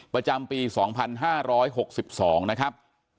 ประจำปี๒๕๖๒นะครับ